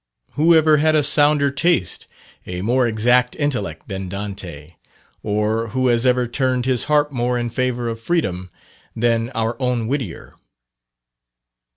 Who ever had a sounder taste, a more exact intellect than Dante? or who has ever tuned his harp more in favour of Freedom, than our own Whittier?